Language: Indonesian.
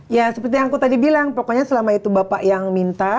ya seperti yang aku tadi bilang pokoknya selama itu bapak yang minta